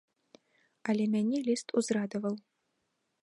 Але мяне ліст узрадаваў.